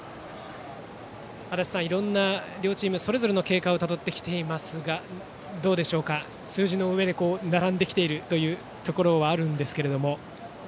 足達さん、両チームそれぞれの経過をたどってきていますがどうでしょうか、数字の上で並んできているところがあります。